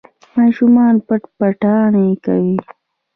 ماشومان پټ پټانې کوي.